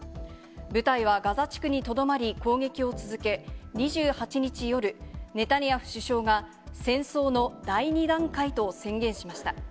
部隊はガザ地区にとどまり、攻撃を続け、２８日夜、ネタニヤフ首相が戦争の第２段階と宣言しました。